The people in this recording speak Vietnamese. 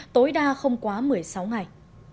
tối đa không quá một mươi sáu ngày